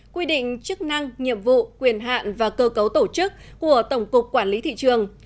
quy định chức năng nhiệm vụ quyền hạn và cơ cấu tổ chức của tổng cục quản lý thị trường